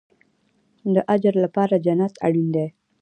د اجر لپاره جنت اړین دی